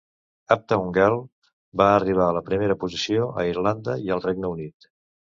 "Uptown Girl" va arribar a la primera posició a Irlanda i al Regne Unit.